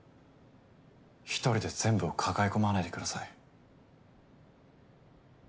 １人で全部を抱え込まないでください。